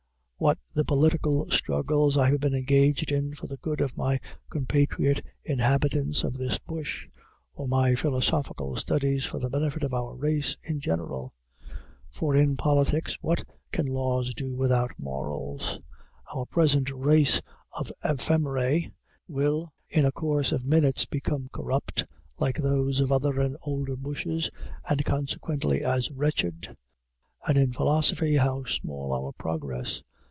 What the political struggles I have been engaged in for the good of my compatriot inhabitants of this bush, or my philosophical studies for the benefit of our race in general! for in politics what can laws do without morals? Our present race of ephemeræ will in a course of minutes become corrupt, like those of other and older bushes, and consequently as wretched. And in philosophy how small our progress!